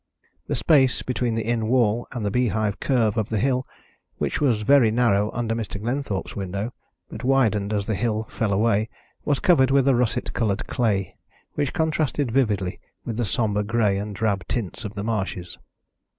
The space between the inn wall and the beehive curve of the hill, which was very narrow under Mr. Glenthorpe's window, but widened as the hill fell away, was covered with a russet coloured clay, which contrasted vividly with the sombre grey and drab tints of the marshes.